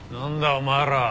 お前らは。